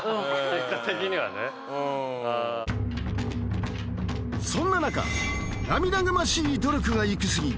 結果的にはねそんな中涙ぐましい努力がいき過ぎ